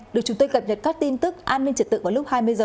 được chúng tôi cập nhật các tin tức an ninh trật tự vào lúc hai mươi h